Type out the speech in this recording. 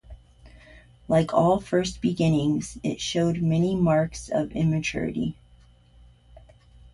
Like all first beginnings it showed many marks of immaturity.